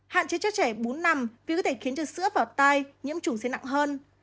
hạn chế chất trẻ bốn năm vì có thể khiến chất sữa vào tay nhiễm chủng sẽ nặng hơn